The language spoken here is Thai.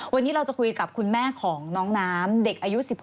วันนี้เราจะคุยกับคุณแม่ของน้องน้ำเด็กอายุ๑๖